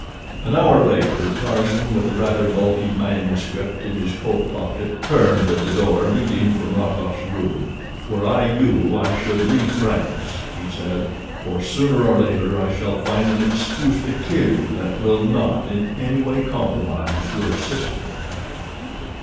An hour later Tarzan, with a rather bulky manuscript in his coat pocket, turned at the door leading from Rokoff's room. "Were I you I should leave France," he said, "for sooner or later I shall find an excuse to kill you that will not in any way compromise your sister."